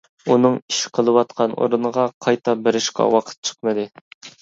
ئۇنىڭ ئىش قىلىۋاتقان ئورنىغا قايتا بېرىشقا ۋاقىت چىقمىدى.